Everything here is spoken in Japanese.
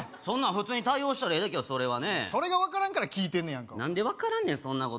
そんなん普通に対応したらええだけやそれはねそれが分からんから聞いてんのや何で分からんねん